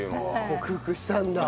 克服したんだ。